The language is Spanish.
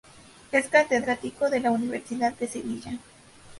Es catedrático de la Universidad de Sevilla.